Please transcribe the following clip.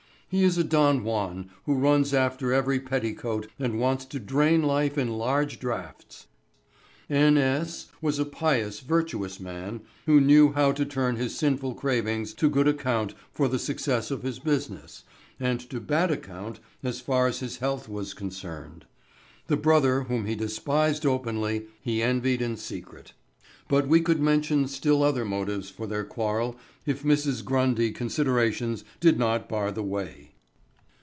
He is a Don Juan who runs after every petticoat and wants to drain life in large draughts. N. S. was a pious virtuous man who knew how to turn his sinful cravings to good account for the success of his business and to bad account as far as his health was concerned. The brother whom he despised openly he envied in secret. But we could mention still other motives for their quarrel if Mrs. Grundy considerations did not bar the way....